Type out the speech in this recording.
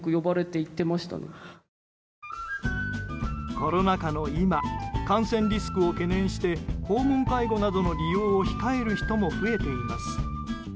コロナ禍の今感染リスクを懸念して訪問介護などの利用を控える人も増えています。